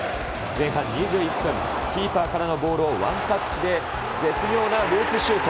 前半２１分、キーパーからのボールをワンタッチで絶妙なループシュート。